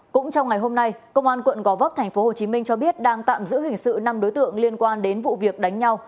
cũng trong ngày hôm nay công an quận gò vấp tp hcm cho biết đang tạm giữ hình sự năm đối tượng liên quan đến vụ việc đánh nhau